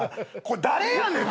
誰やねん！